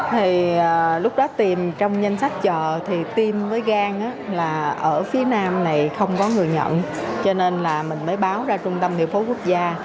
thì lúc đó tìm trong danh sách chợ thì tim với gan là ở phía nam này không có người nhận cho nên là mình mới báo ra trung tâm hiệu phố quốc gia